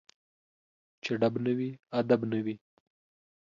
چي ډب نه وي ، ادب نه وي